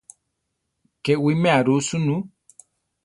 Ke wiméa ru sunú.